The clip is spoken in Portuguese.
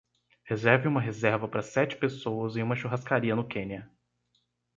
Reserve uma reserva para sete pessoas em uma churrascaria no Quênia